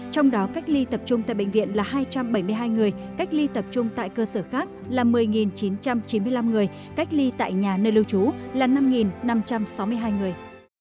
trong đó cách ly tập trung tại bệnh viện là hai trăm bảy mươi hai người cách ly tập trung tại cơ sở khác là một mươi chín trăm chín mươi năm người cách ly tại nhà nơi lưu trú là năm năm trăm sáu mươi hai người